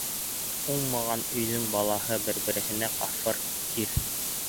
Уңмаған өйҙөң балаһы бер-береһенә «кафыр» тир.